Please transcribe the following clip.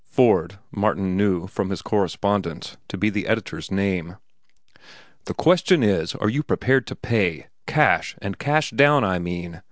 (Ford, Martin knew, from his correspondence, to be the editor's name.) "The question is, are you prepared to pay?—cash, and cash down, I mean?